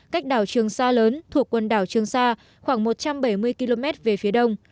cách đảo trường sa lớn thuộc quần đảo trường sa khoảng một trăm bảy mươi km về phía đông